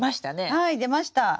はい出ました。